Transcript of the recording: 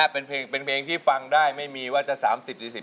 เป็นเพลงที่ฟังได้ไม่มีว่าจะ๓๐๔๐ปี